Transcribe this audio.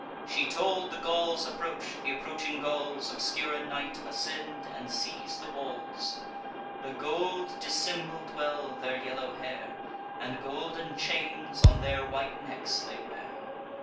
She told the Gauls' approach; th' approaching Gauls, Obscure in night, ascend, and seize the walls. The gold dissembled well their yellow hair, And golden chains on their white necks they wear.